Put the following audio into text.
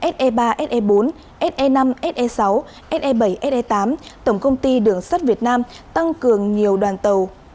se ba se bốn se năm se sáu se bảy se tám tổng công ty đường sắt việt nam tăng cường nhiều đoàn tàu